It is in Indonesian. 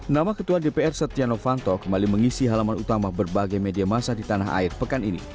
nama ketua dpr setia novanto kembali mengisi halaman utama berbagai media masa di tanah air pekan ini